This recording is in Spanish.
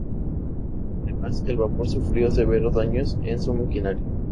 Además el vapor sufrió severos daños en su maquinaria.